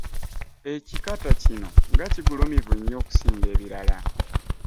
Ekikata kino nga kigulumivu nnyo okusinga ebirala?